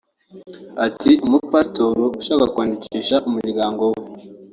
Ati “Umu-Pasiteri ashaka kwandikisha umuryango we